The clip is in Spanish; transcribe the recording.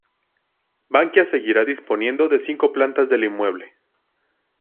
Bankia seguirá disponiendo de cinco plantas del inmueble.